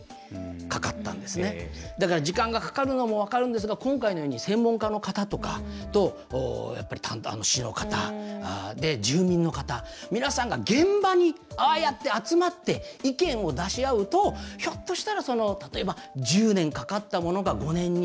だから、時間がかかるのも分かるんですが今回のように専門家の方とか市の方、住民の方皆さんが現場にああやって集まって意見を出し合うとひょっとしたら例えば１０年かかったものが５年に。